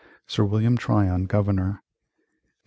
Sir William Tryon Governor 1773.